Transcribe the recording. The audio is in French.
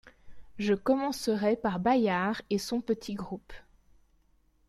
Je commencerais par Bayard et son petit groupe.